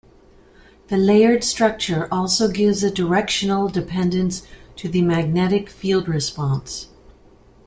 The layered structure also gives a directional dependence to the magnetic field response.